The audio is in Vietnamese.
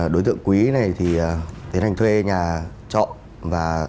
đối tượng quý này thì tiến hành thuê nhà trọng